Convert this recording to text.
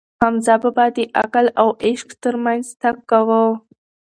حمزه بابا د عقل او عشق ترمنځ تګ کاوه.